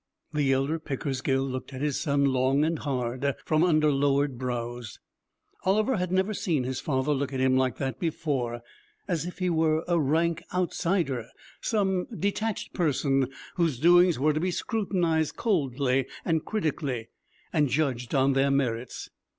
The elder Pickersgill looked at his son long and hard from under lowered brows. Oliver had never seen his father look at him like that before: as if he were a rank outsider, some detached person whose doings were to be scrutinized coldly and critically, and judged on their merits.